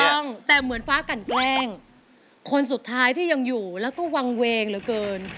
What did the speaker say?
ถูกต้องแต่เหมือนฟ้ากันแกล้งคนสุดท้ายที่ยังอยู่แล้วก็วางเวงเหลือเกิน